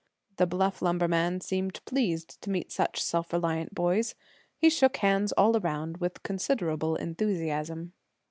The bluff lumberman seemed pleased to meet such self reliant boys. He shook hands all around with considerable enthusiasm.